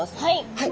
はい。